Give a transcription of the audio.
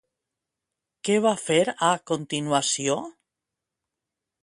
Què va fer a continuació?